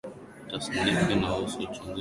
Tasnifu inahusu uchunguzi juu ya Asili ya Wapemba